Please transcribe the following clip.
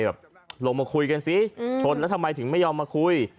ลงมาคุยกันสิชนแล้วทำไมถึงไม่ยอมมาคุย